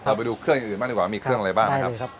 เราไปดูเครื่องอื่นมากกว่ามีเครื่องอะไรบ้างครับ